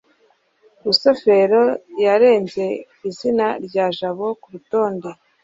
rusufero yarenze izina rya jabo kurutonde